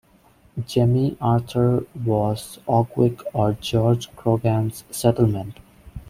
"Jemmy Arther" was Aughwick or George Croghan's settlement.